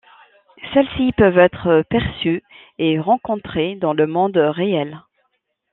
Celles-ci peuvent être perçues et rencontrées dans le monde réel.